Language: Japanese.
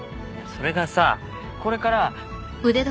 それがさこれから。